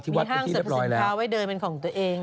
มีห้างสรรพสินค้าไว้เดินเป็นของตัวเอง